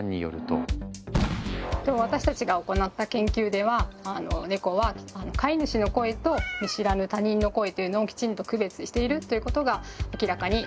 私たちが行った研究ではネコは飼い主の声と見知らぬ他人の声というのをきちんと区別しているということが明らかになりました。